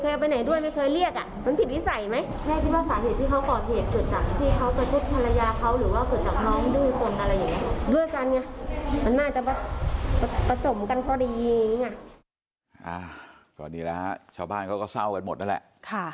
ตอนนี้แล้วชาวบ้านเขาก็เศร้ากันหมดแล้วแหละ